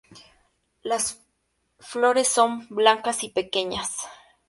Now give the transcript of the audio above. Las flores son blancas y pequeñas.